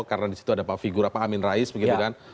karena di situ ada pak figura pak amin rais begitu kan